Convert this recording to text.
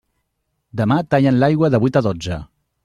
Demà tallen l'aigua de vuit a dotze.